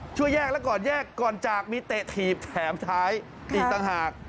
ช่วยแยกแล้วก่อนแยกก่อนจากมีเตะถีบแถมท้ายอีกต่างหาก